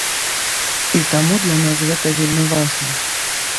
І таму для нас гэта вельмі важна.